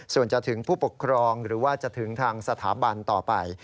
ส่วนจะถึงผู้ปกครองหรือว่าจะถึงทางสถาบันต่อไป